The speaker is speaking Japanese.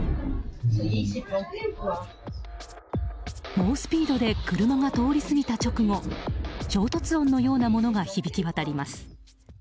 猛スピードで車が通り過ぎた直後衝突音のようなものが響き渡ります。